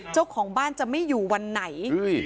เจ้าของบ้านจะไม่อยู่วันไหน